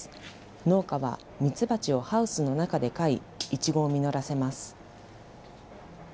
農家はミツバチをハウスの中で飼い、いちごを実らせます。